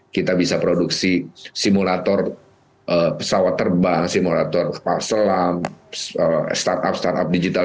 kita bisa produksi simulator pesawat terbang simulator kapal selam startup startup digital